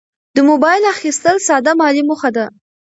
د موبایل اخیستل ساده مالي موخه ده.